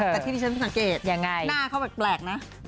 แต่ที่ที่ฉันสังเกตหน้าเขาแปลกนะ